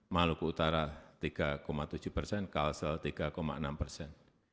maluku utara tiga tujuh persen kalsel tiga enam persen